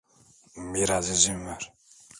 Biraz izin ver.